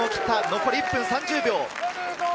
残り１分３０秒。